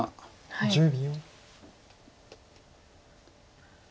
１０秒。